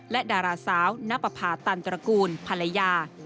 และดาราสาวณปภาตันตระกูลภรรยา